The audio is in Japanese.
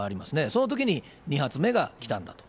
そのときに２発目が来たんだと。